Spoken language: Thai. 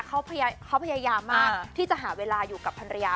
เขาพยายามมากที่จะหาเวลาอยู่กับภรรยา